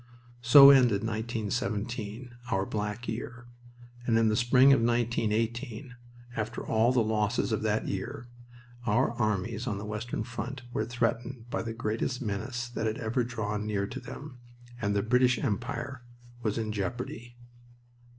So ended 1917, our black year; and in the spring of 1918, after all the losses of that year, our armies on the western front were threatened by the greatest menace that had ever drawn near to them, and the British Empire was in jeopardy.